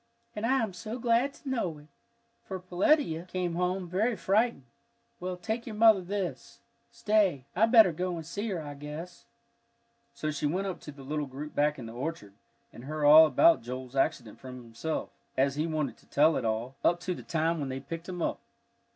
"And I am so glad to know it, for Peletiah came home very frightened. Well, take your mother this. Stay, I better go and see her, I guess." So she went up to the little group back in the orchard, and heard all about Joel's accident from himself, as he wanted to tell it all, up to the time when they picked him up.